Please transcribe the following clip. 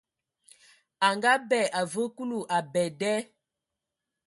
A ngaabɛ, a vǝǝ Kulu abɛ da.